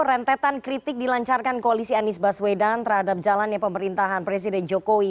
rentetan kritik dilancarkan koalisi anies baswedan terhadap jalannya pemerintahan presiden jokowi